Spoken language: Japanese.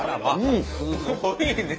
すごいね。